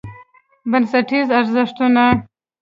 بنسټیز ارزښتونه: